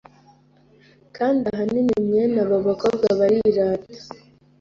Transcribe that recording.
kandi ahanini mwene aba bakobwa barirata